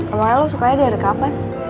awalnya lo sukanya dari kapan